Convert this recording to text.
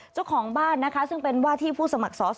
เจ้าของบ้านนะคะซึ่งเป็นว่าที่ผู้สมัครสอสอ